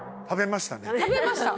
食べました。